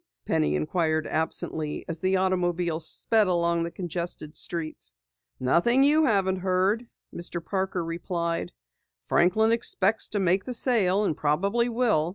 Penny inquired absently as the automobile sped along the congested streets. "Nothing you haven't heard," Mr. Parker replied. "Franklin expects to make the sale and probably will.